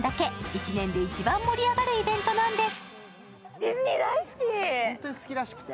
１年で一番盛り上がるイベントなんです。